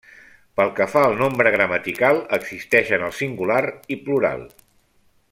Pel que fa al nombre gramatical, existeixen el singular i plural.